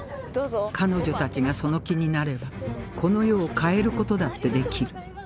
彼女たちがその気になればこの世を変える事だってできる